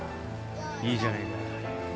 いいじゃねえか。